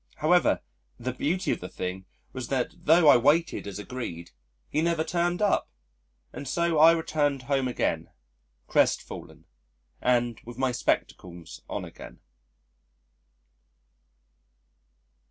However, the beauty of the thing was that, tho' I waited as agreed, he never turned up, and so I returned home again, crestfallen and, with my spectacles on again.